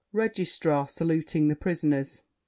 REGISTRAR (saluting the prisoners).